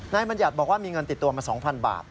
บัญญัติบอกว่ามีเงินติดตัวมา๒๐๐บาท